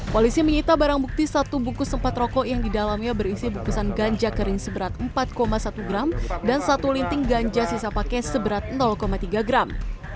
polisi menyita barang bukti satu bungkus sempat rokok yang didalamnya berisi bungkusan ganja kering seberat empat satu gram dan satu linting ganja sisa pakis seberat tiga gram